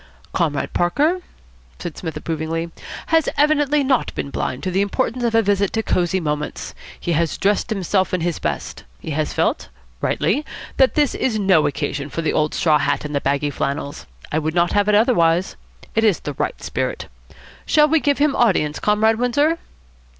"Comrade Parker," said Psmith approvingly, "has evidently not been blind to the importance of a visit to Cosy Moments. He has dressed himself in his best. He has felt, rightly, that this is no occasion for the old straw hat and the baggy flannels. I would not have it otherwise. It is the right spirit. Shall we give him audience, Comrade Windsor?"